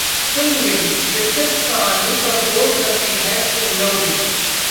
Film Reveiw: दिलचस्प कहानी, पर बोर करती है फिल्लौरी